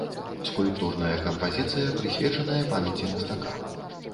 Скульптурная кампазіцыя, прысвечаная памяці мастака.